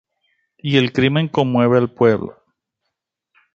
Y el crimen conmueve al pueblo.